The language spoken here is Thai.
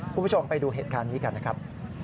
คุณผู้ชมไปดูเหตุการณ์นี้กันนะครับ